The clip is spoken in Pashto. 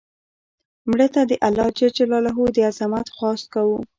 مړه ته د الله ج د عظمت خواست کوو